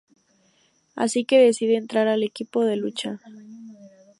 Así que decide entrar al equipo de lucha.